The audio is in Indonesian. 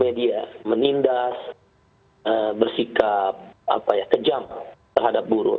media menindas bersikap apa ya kejam terhadap buruh